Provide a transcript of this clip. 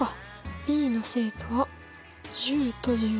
ｂの生徒は１０と１７。